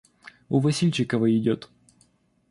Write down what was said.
У Васильчикова идет.